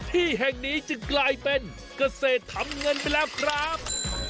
ที่แห่งนี้จึงกลายเป็นเกษตรทำเงินไปแล้วครับ